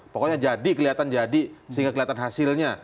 pokoknya jadi kelihatan jadi sehingga kelihatan hasilnya